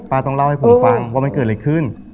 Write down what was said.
ต้องเล่าให้ผมฟังว่ามันเกิดอะไรขึ้น